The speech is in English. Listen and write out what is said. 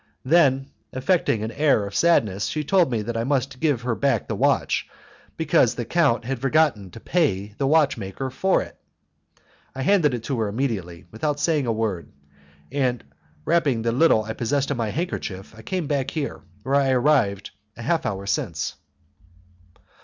Then, affecting an air of sadness, she told me that I must give her back the watch because the count had forgotten to pay the watchmaker for it. I handed it to her immediately without saying a word, and wrapping the little I possessed in my handkerchief I came back here, where I arrived half an hour since."